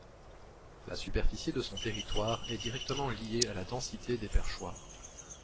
La superficie de son territoire est directement liée à la densité des perchoirs.